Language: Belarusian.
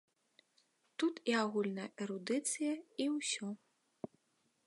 Тут і агульная эрудыцыя, і ўсё.